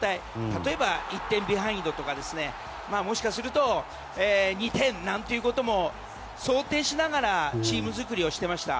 例えば、１点ビハインドとかもしかすると２点なんていうことも想定しながらチーム作りをしていました。